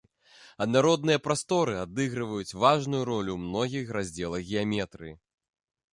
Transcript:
Аднародныя прасторы адыгрываюць важную ролю ў многіх раздзелах геаметрыі.